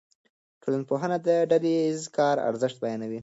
ټولنپوهنه د ډله ایز کار ارزښت بیانوي.